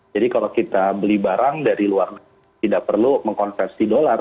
jadi kalau kita beli barang dari luar tidak perlu mengkonsumsi dolar